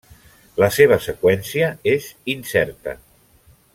La seva seqüència és incerta.